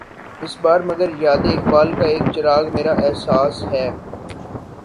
اس بار مگر یاد اقبال کا ایک چراغ، میرا احساس ہے